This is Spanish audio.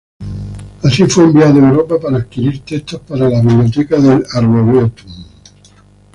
Así fue enviado a Europa para adquirir textos para la Biblioteca del Arboretum.